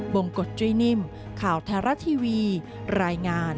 งกฎจุ้ยนิ่มข่าวไทยรัฐทีวีรายงาน